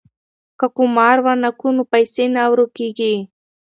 که قمار ونه کړو نو پیسې نه ورکيږي.